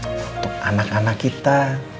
untuk anak anak kita